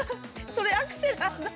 それアクセなんだ。